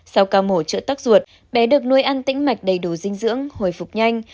sau ca mổ chữa tắc ruột bé được nuôi ăn tĩnh mạch đầy đủ dinh dưỡng hồi phục nhanh